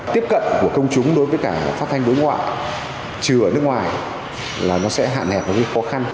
tiếp cận của công chúng đối với cả phát thanh đối ngoại trừ ở nước ngoài là nó sẽ hạn hẹp khó khăn